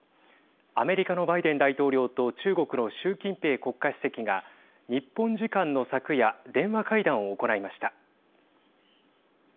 アメリカのバイデン大統領と中国の習近平国家主席が日本時間の昨夜電話会談を行いました。